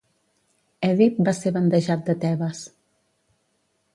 Èdip va ser bandejat de Tebes.